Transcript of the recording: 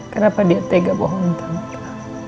kenapa dia tega bohongin tante